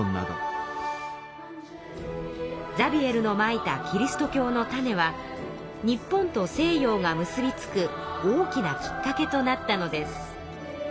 ザビエルのまいたキリスト教の種は日本と西洋が結びつく大きなきっかけとなったのです。